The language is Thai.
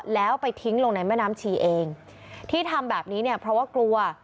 แล้วไปทิ้งลงในแม่น้ำชีเองที่ทำแบบนี้เนี่ยเพราะว่ากลัว